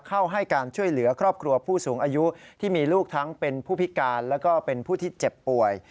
ให้การช่วยเหลือครอบครัวผู้สูงอายุที่มีลูกทั้งเป็นผู้พิการแล้วก็เป็นผู้ที่เจ็บป่วย